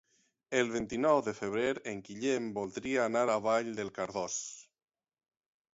El vint-i-nou de febrer en Guillem voldria anar a Vall de Cardós.